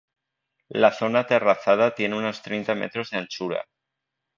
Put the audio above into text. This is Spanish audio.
La zona aterrazada tiene unos treinta metros de anchura.